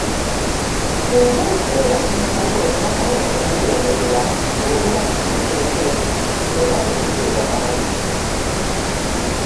Singa ekiseera kiyitako n’asanga nga guwoomerera olwo guba gufuuse nkenku era tegunywebwa bangi.